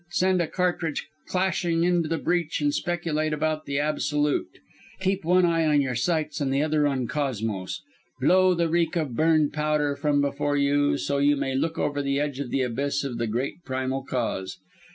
Send a cartridge clashing into the breech and speculate about the Absolute. Keep one eye on your sights and the other on Cosmos. Blow the reek of burned powder from before you so you may look over the edge of the abyss of the Great Primal Cause.